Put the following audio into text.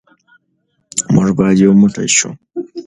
موږ باید یو موټی شو.